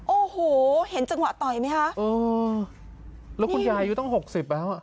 โอ้โหเห็นจังหวะต่อยไหมคะอ๋อแล้วคุณยายอายุตั้งหกสิบแล้วอ่ะ